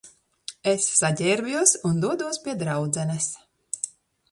Es saģērbjos un dodos pie draudzenes.